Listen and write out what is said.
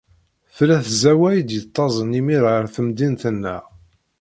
Tella tzawwa i d-yettaẓen imir ɣer temdint-nneɣ.